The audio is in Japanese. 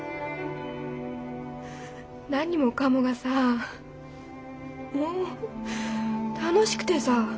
何もかもがさもう楽しくてさ。